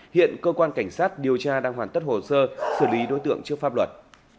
hiện cơ quan cảnh sát điều tra đang hoàn tất hồ sơ xử lý đối tượng trước pháp luật